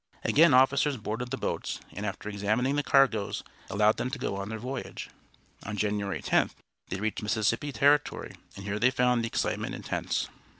Again officers boarded the boats, and after examining the cargoes allowed them to go on their voyage. On January 10th they reached Mississippi Territory, and here they found the excitement intense.